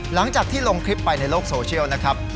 หลังจากที่ลงคลิปไปในโลกโซเชียลนะครับ